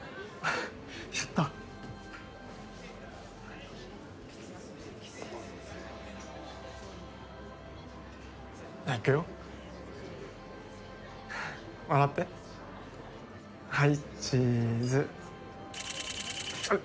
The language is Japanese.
やったじゃあいくよ笑ってはいチーズあれ？